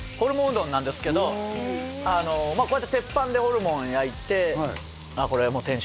どんなんですけどこうやって鉄板でホルモン焼いてこれ店主